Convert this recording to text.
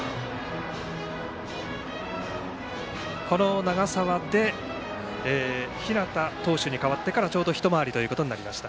この長澤で日當投手に代わってからちょうど１回りとなりました。